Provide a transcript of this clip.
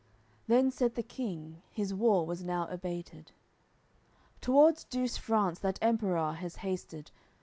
Then said the King, his war was now abated. Towards Douce France that Emperour has hasted.